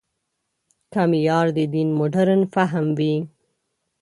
که معیار د دین مډرن فهم وي.